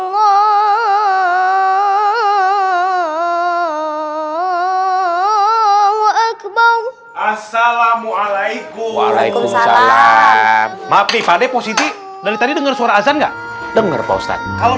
wa'alaikum salam mabih pada posisi dari tadi denger suara azan enggak denger postat kalau